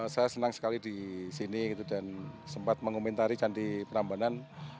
saya senang sekali di sini gitu dan sempat mengomentari candi prambanan